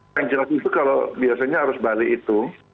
yang jelas itu kalau biasanya arus balik itu